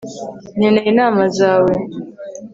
nkeneye inama zawe